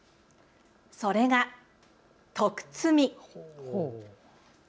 それが、徳積み。